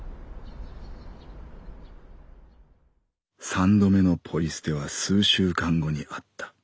「三度目のポイ捨ては数週間後にあった。